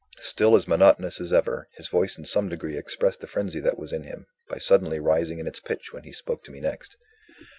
Still as monotonous as ever, his voice in some degree expressed the frenzy that was in him, by suddenly rising in its pitch when he spoke to me next.